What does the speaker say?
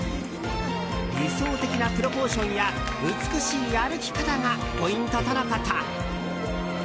理想的なプロポーションや美しい歩き方がポイントとのこと。